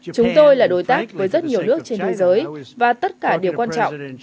chúng tôi là đối tác với rất nhiều nước trên thế giới và tất cả điều quan trọng